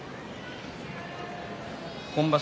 今場所